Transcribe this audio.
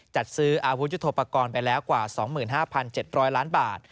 จัดซื้ออาวุธยุทธโปรกรณ์ไปแล้วกว่า๒๕๗๐๐ล้านบาท